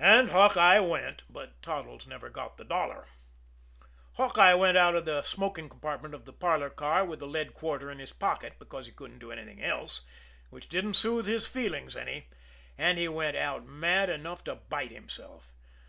And Hawkeye went but Toddles never got the dollar. Hawkeye went out of the smoking compartment of the parlor car with the lead quarter in his pocket because he couldn't do anything else which didn't soothe his feelings any and he went out mad enough to bite himself.